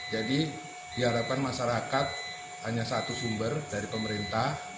jadi diharapkan masyarakat hanya satu sumber dari pemerintah